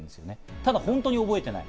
ただ本当に覚えていない。